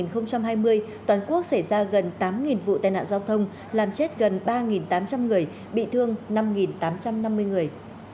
trong tháng một mươi năm hai nghìn hai mươi toàn quốc xảy ra gần tám vụ tai nạn giao thông làm chết gần ba tám trăm linh người bị thương năm tám trăm năm mươi người